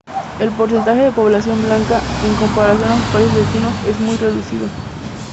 El porcentaje de población blanca, en comparación a sus países vecinos, es muy reducido.